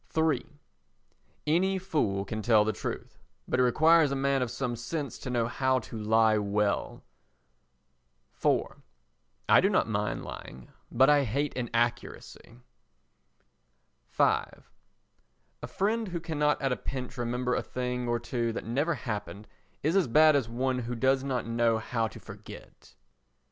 iii Any fool can tell the truth, but it requires a man of some sense to know how to lie well. iv I do not mind lying, but I hate inaccuracy. v A friend who cannot at a pinch remember a thing or two that never happened is as bad as one who does not know how to forget.